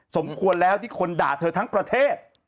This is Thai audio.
สมควรแล้วที่คนด่าเธอทั้งประเทศ